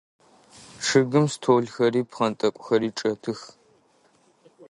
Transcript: Чъыгым столхэри пхъэнтӏэкӏухэри чӏэтых.